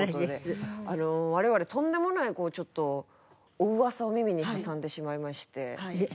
我々とんでもないお噂を耳に挟んでしまいまして。